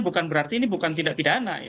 bukan berarti ini bukan tindak pidana